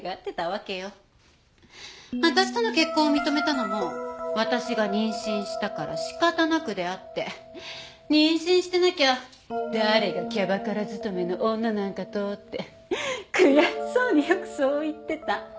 私との結婚を認めたのも私が妊娠したから仕方なくであって妊娠してなきゃ誰がキャバクラ勤めの女なんかとって悔しそうによくそう言ってた。